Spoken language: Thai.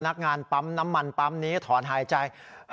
นักงานปั๊มน้ำมันปั๊มนี้ถอนหายใจ